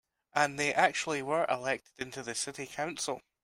And they actually were elected into the city council.